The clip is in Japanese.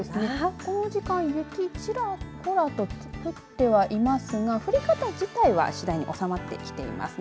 この時間、雪ちらほらと降ってはいますが、降り方自体は次第におさまってきていますね。